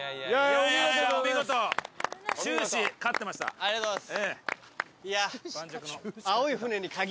ありがとうございます。